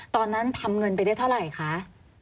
ตอนนั้นทำเงินไปได้เท่าไหร่คะ